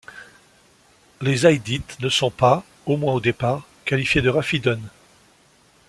Les Zaydites ne sont pas, au moins au départ, qualifiés de râfidun.